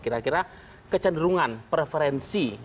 kira kira kecenderungan preferensi